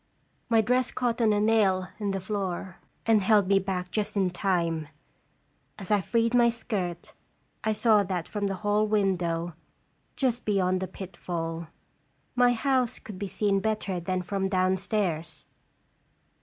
My dress caught on a nail in the floor, and held me back just in time. As I freed my skirt, I saw that from the hall window, just beyond the pitfall, 315 my house could be seen better than from downstairs.